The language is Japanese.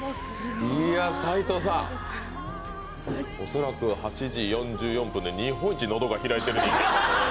斎藤さん、恐らく８時４４分で日本一、喉が開いている。